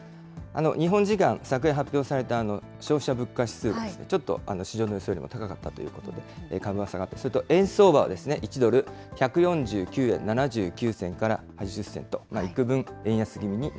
日本時間昨夜発表された消費者物価指数、ちょっと市場の予想よりも高かったということで、株は下がって、円相場は１ドル１４９円７９銭から８０銭と、いくぶん円